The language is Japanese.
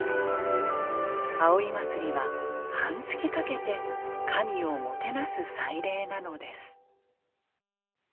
葵祭は半月かけて神をもてなす祭礼なのです。